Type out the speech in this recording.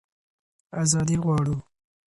ازادي غواړو.